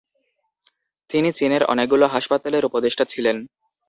তিনি চীনের অনেকগুলো হাসপাতালের উপদেষ্টা ছিলেন।